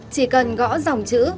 chỉ cần gõ dòng chữ